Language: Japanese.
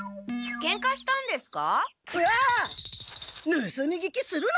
ぬすみ聞きするな！